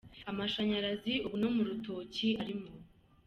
Amashanyarazi ubu no mu rutoki arimo